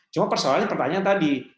cuma persoalannya pertanyaan tadi